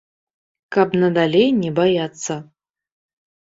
Каб надалей не баяцца.